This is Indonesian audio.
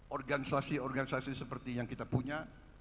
organisasi organisasi seperti yang kita punya